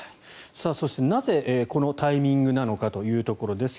そしてなぜこのタイミングなのかというところです。